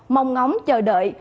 mong ngóng chờ đợi